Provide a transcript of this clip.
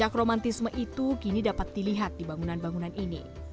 romantisme itu kini dapat dilihat di bangunan bangunan ini